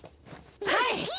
はい！